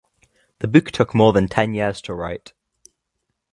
The book took more than ten years to write.